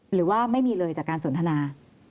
หรือว่าไม่มีเลยจากการสนทนา